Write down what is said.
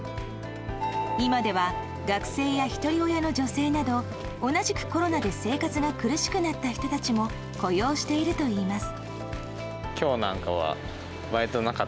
今では、学生やひとり親の女性など同じくコロナで生活が苦しくなった人たちも雇用しているといいます。